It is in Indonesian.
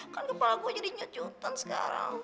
kan kepala gue jadi ngejutan sekarang